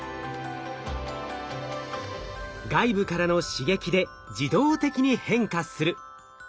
外部からの刺激で自動的に変化する。